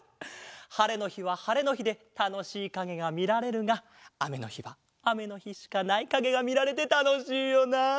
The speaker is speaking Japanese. はれのひははれのひでたのしいかげがみられるがあめのひはあめのひしかないかげがみられてたのしいよなあ。